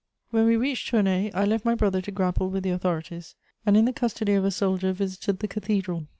_ When we reached Tournay, I left my brother to grapple with the authorities, and in the custody of a soldier visited the cathedral.